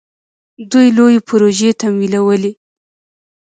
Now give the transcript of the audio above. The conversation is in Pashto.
دوی لویې پروژې تمویلوي.